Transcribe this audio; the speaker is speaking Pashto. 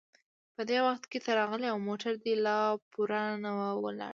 په دې وخت کې ته راغلې او موټر دې لا پوره نه و ولاړ.